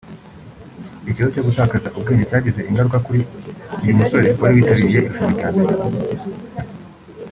Ikibazo cyo gutakaza ubwenge cyagize ingaruka kuri uyu musore wari witabiriye irushanwa bwa mbere